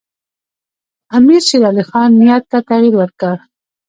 امیرشیرعلي خان نیت ته تغییر ورکړ.